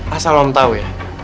asal om tau ya